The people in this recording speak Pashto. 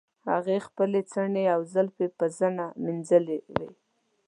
هغې خپلې څڼې او زلفې په زنه مینځلې وې.